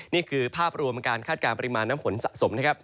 นี่คือภาพรวมการคาดการณ์ปริมาณน้ำฝนสะสมนะครับ